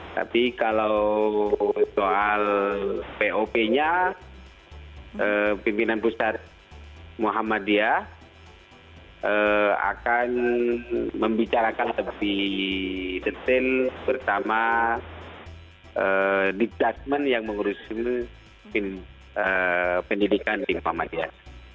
tapi kalau soal pop nya pimpinan pusat muhammadiyah akan membicarakan lebih detil bersama di dasmen yang menguruskan pendidikan muhammadiyah